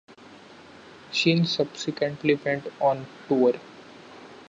Sheen subsequently went on tour.